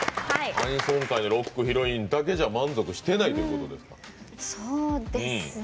アニソン界のロックヒロインだけじゃ満足してないということですか。